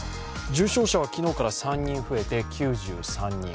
重症者は昨日から３人増えて９３人。